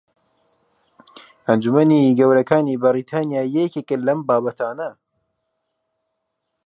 ئەنجومەنی گەورەکانی بەریتانیا یەکێکە لەم بابەتانە